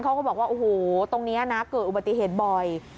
เขาก็บอกว่าโอ้โหตรงนี้นะเกิดอุบัติเหตุบ่อย